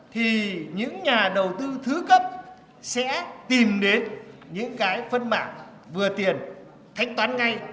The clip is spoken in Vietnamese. thì những nhà đầu tư thứ cấp sẽ tìm đến những cái phân mảng vừa tiền thanh toán ngay